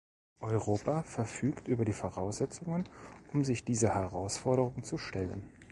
Europa verfügt über die Voraussetzungen, um sich dieser Herausforderung zu stellen.